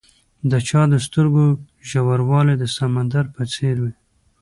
د چا د سترګو ژوروالی د سمندر په څېر وي.